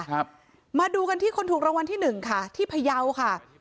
ครับมาดูกันที่คนถูกรางวัลที่หนึ่งค่ะที่พยาวค่ะ